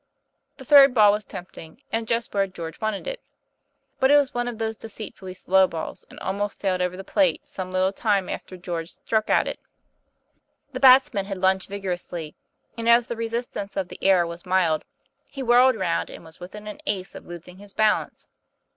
The third ball was tempting, and just where George wanted it. But it was one of those deceit fully slow balls, and almost sailed over the plate some little time after George struck at it. The 214 TOM PLAYFAIR. batsman had lunged vigorously, and as the resist ance of the air was mild, he whirled round and was within an ace of losing his balance.